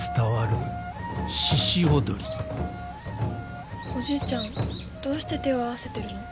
おじいちゃんどうして手を合わせてるの？